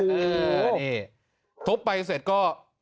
เออนี่ทุบไปเสร็จก็